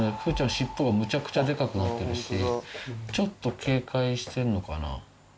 尻尾がむちゃくちゃデカくなってるしちょっと警戒してんのかな。